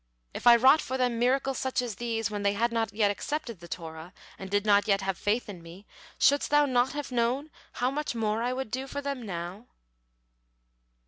If I wrought for them miracles such as these when they had not yet accepted the Torah, and did not yet have faith in Me, shouldst thou not have known how much more I would do for them now?"